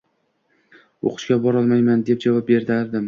O’qishga borolmayman”, deb javob berardim.